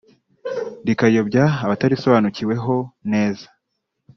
rikayobya abatarisobanukiweho neza